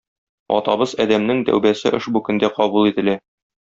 Атабыз Адәмнең тәүбәсе ошбу көндә кабул ителә.